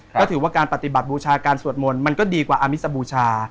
ก็ถือว่าการปฏิบัติบูชาการสวดมนต์มันก็ดีกว่าอามิสบูชา